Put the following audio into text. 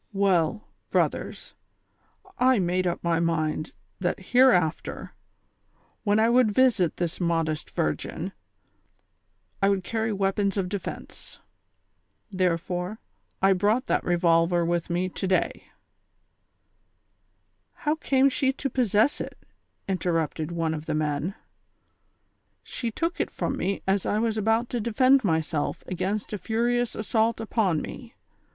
" Well, brothers, I made up my mind that hereafter, when I would visit this modest virgin, I would carry weapons of defence ; therefore, I brought that revolver with me to day "— "How came she to possess it," interrupted one of the men, "She took it from me as I was about to defend myself against a furious assault upon me.